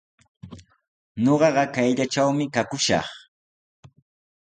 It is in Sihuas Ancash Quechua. Ñuqaqa kayllatrawmi kakushaq.